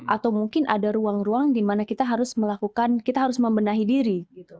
atau mungkin ada ruang ruang di mana kita harus melakukan kita harus membenahi diri